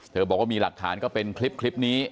บอกว่ามีหลักฐานก็เป็นคลิปนี้